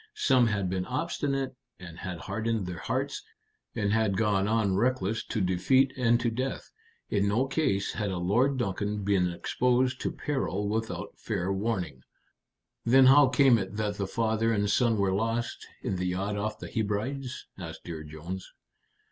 Some had been obstinate, and had hardened their hearts, and had gone on reckless to defeat and to death. In no case had a Lord Duncan been exposed to peril without fair warning." "Then how came it that the father and son were lost in the yacht off the Hebrides?" asked Dear Jones.